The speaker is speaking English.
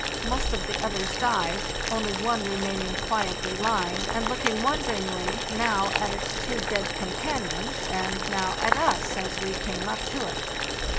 Most of the others dived, only one re maining quietly lying, and looking wonderingly, now at its two dead companions, and now at us as we came up to it.